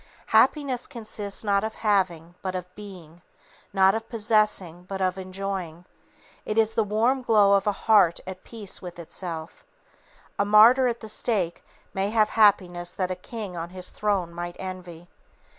Happiness consists not of having, but of being; not of possessing, but of enjoying. It is the warm glow of a heart at peace with itself. A martyr at the stake may have happiness that a king on his throne might envy.